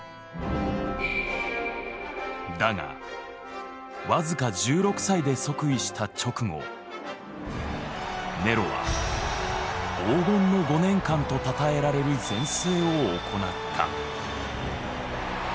だが僅か１６歳で即位した直後ネロは「黄金の５年間」とたたえられる善政を行った。